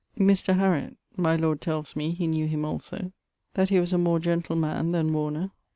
Mr. Harriott; my lord tells me, he knew him also: that he was a more gentile man, then Warner.